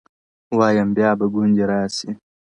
وایم بیا به ګوندي راسي-